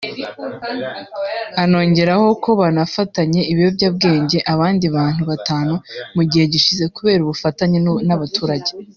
anongeraho ko banafatanye ibiyobyabwenge abandi bantu batanu mu gihe gishize kubera ubufatanye n’abaturage